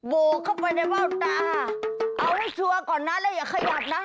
โบกเข้าไปในเบ้าตาเอาให้ชัวร์ก่อนนะแล้วอย่าขยับนะ